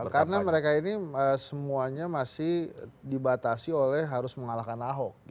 karena mereka ini semuanya masih dibatasi oleh harus mengalahkan ahok